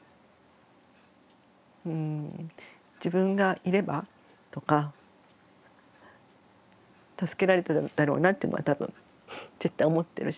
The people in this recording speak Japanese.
自分がいればとか助けられただろうなっていうのは多分絶対思ってるし。